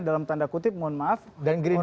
dalam tanda kutip mohon maaf dan gerindra